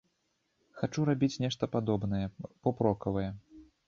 Хачу рабіць нешта падобнае, поп-рокавае.